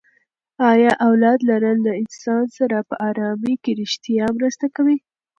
ایا اولاد لرل له انسان سره په ارامي کې ریښتیا مرسته کوي؟